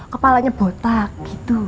kepalanya botak gitu